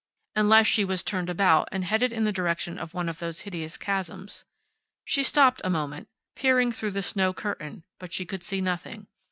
Unless she was turned about, and headed in the direction of one of those hideous chasms. She stopped a moment, peering through the snow curtain, but she could see nothing.